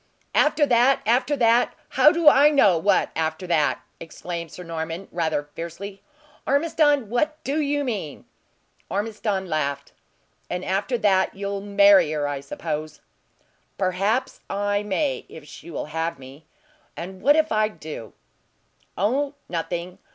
"After that! After that! How do I know what after that!" exclaimed Sir Norman, rather fiercely. "Ormiston, what do you mean?" Ormiston laughed. "And after that you'll marry her, I suppose!" "Perhaps I may, if she will have me. And what if I do?" "Oh, nothing!